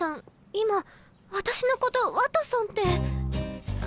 今私のことワトソンって。